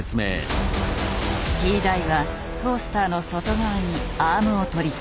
Ｔ大はトースターの外側にアームを取りつけた。